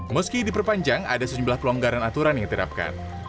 meski diperpanjang ada sejumlah pelonggaran aturan yang diterapkan